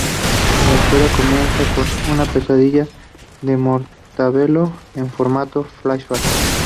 La historieta comienza con una pesadilla de Mortadelo en formato "flashback".